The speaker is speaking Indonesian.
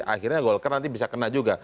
akhirnya golkar nanti bisa kena juga